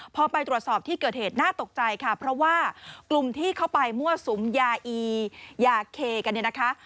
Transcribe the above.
พอไปตรวจสอบที่เกิดเหตุน่าตกใจค่ะเพราะว่ากลุ่มที่เข้าไปมั่วสุมยาอียาเคกันเนี่ยนะคะ